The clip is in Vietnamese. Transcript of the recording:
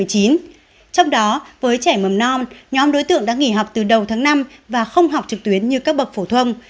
trong đó với trẻ mầm non nhóm đối tượng đã nghỉ học từ đầu tháng năm và không học trực tuyến như các bậc phổ thông